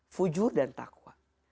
fujur dan taqwa